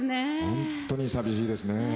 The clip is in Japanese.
本当に寂しいですね。